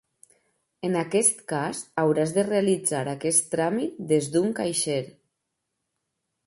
En aquest cas, hauràs de realitzar aquest tràmit des d'un caixer.